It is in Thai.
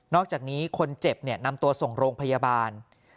อกจากนี้คนเจ็บนำตัวส่งโรงพยาบาล